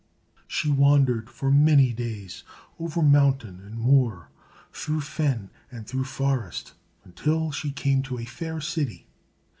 She wandered for many days, over mountain and moor, through fen and through forest, until she came to a fair city.